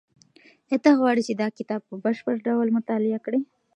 ایا ته غواړې چې دا کتاب په بشپړ ډول مطالعه کړې؟